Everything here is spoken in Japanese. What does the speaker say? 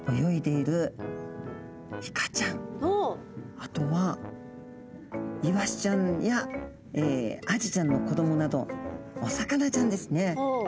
あとはイワシちゃんやアジちゃんの子供などお魚ちゃんですね。